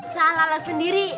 salah lo sendiri